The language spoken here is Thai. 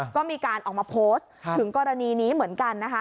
ก็มีการออกมาโพสต์ถึงกรณีนี้เหมือนกันนะคะ